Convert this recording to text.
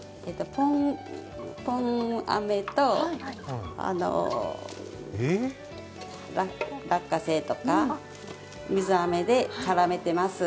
ポンあめと落花生とか、水あめで絡めてます。